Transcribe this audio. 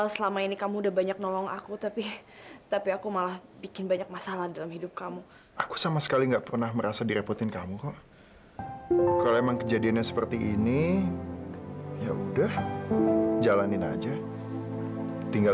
sampai jumpa di video selanjutnya